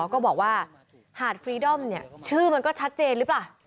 ก็บอกว่าหาดฟรีดอมเนี่ยชื่อมันก็ชัดเจนหรือเปล่า